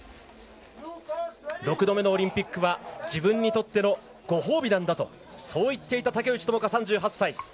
６度目のオリンピックは自分にとってのご褒美なんだとそう言っていた竹内智香、３８歳。